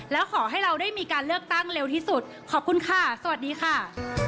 แล้วขอให้เราได้มีการเลือกตั้งเร็วที่สุดขอบคุณค่ะสวัสดีค่ะ